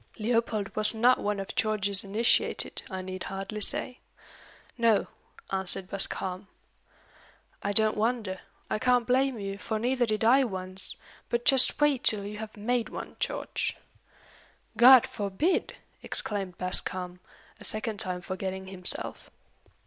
Leopold was not one of George's initiated, I need hardly say. "No," answered Bascombe. "I don't wonder. I can't blame you, for neither did I once. But just wait till you have made one, George!" "God forbid!" exclaimed Bascombe, a second time forgetting himself.